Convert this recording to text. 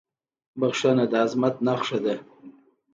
• بښنه د عظمت نښه ده.